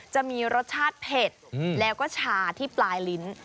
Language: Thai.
จะมีรสชาติเผ็ดแล้วก็ชาที่ปลายลิ้น